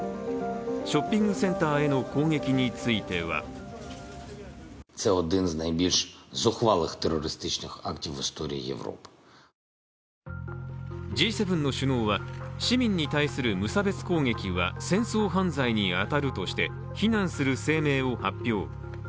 ショッピングセンターへの攻撃についてはＧ７の首脳は、市民に対する無差別攻撃は戦争犯罪に当たるとして非難する声明を発表。